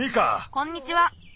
こんにちは。